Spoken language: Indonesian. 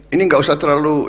ini gak usah terlalu